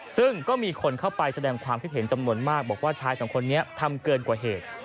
ซึ่งก็มีคนเข้าไปแสดงความคิดเห็นจำนวนมากบอกว่าชายสองคนนี้ทำเกินกว่าเหตุ